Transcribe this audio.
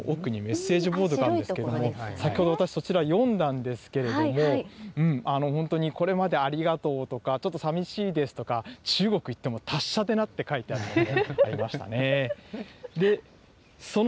オブジェの奥にメッセージボードがあるんですけれども、先ほど私、そちら読んだんですけれども、本当にこれまでありがとうとか、ちょっと寂しいですとか、中国行っても達者でなって書いてあるものもありましたね。